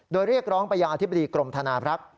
โดยเรียกร้องไปยังอธิบดีกรมธนาบรักษ์